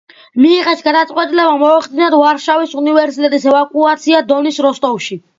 მიიღეს გადაწყვეტილება მოეხდინათ ვარშავის უნივერსიტეტის ევაკუაცია დონის როსტოვში.